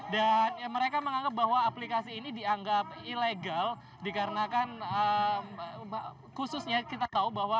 dan mereka menganggap bahwa aplikasi ini dianggap ilegal dikarenakan khususnya kita tahu bahwa